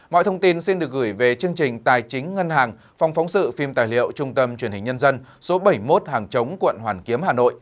mọi thông tin xin được gửi về chương trình tài chính ngân hàng phòng phóng sự phim tài liệu trung tâm truyền hình nhân dân số bảy mươi một hàng chống quận hoàn kiếm hà nội